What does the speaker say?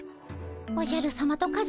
おじゃるさまとカズマさま